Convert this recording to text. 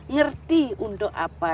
ngerti untuk apa